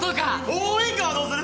応援歌はどうする？